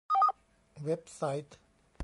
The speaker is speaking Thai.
เว็บไซต์